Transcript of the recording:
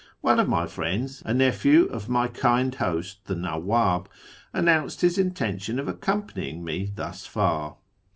One of my friends, a nephew of my kind host the Xawwjib, announced his intention of accompanying me thus far.